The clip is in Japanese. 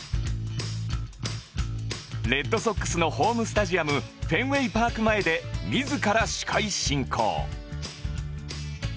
レッドソックスのホームスタジアムフェンウェイパーク前で自ら司会進行